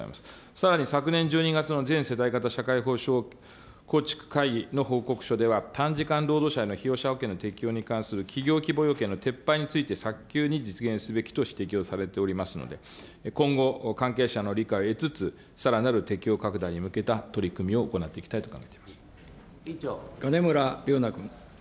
さらに昨年１２月の全世代型社会保障構築会議の報告書では、短時間労働者への被用者保険の適用される企業規模要件の撤廃について早急に実現すべきと指摘をされておりますので、今後、関係者の理解を得つつ、さらなる適用拡大に向けた取り組みを行っていき金村龍那君。